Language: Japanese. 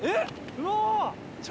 うわ！